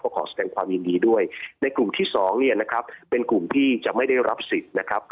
ก็ขอแสดงความยินดีด้วยในกลุ่มที่๒เป็นกลุ่มที่จะไม่ได้รับสิทธิ์นะครับ